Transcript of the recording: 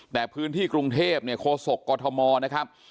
แต่พื้นที่กรุงเทพเนี่ยโคศกกฎธมนะครับ